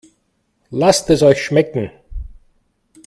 Lasst es euch schmecken!